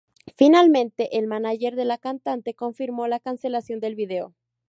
Finalmente el mánager de la cantante confirmó la cancelación del video.